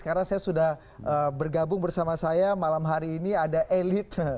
karena saya sudah bergabung bersama saya malam hari ini ada elite